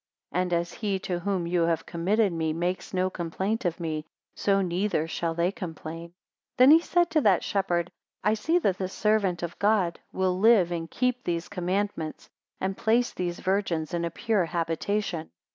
And as he to whom you have committed me, makes no complaint of me; so neither shall they complain. 20 Then he said to that shepherd: I see that the servant of God will live and keep these commandments, and place these virgins in a pure habitation.